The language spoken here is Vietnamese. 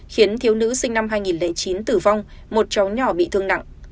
khiến thiếu nữ sinh năm hai nghìn chín tử vong một cháu nhỏ bị thương nặng